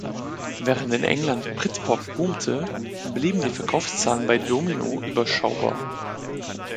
Während in England Britpop boomte, blieben die Verkaufszahlen bei Domino überschaubar.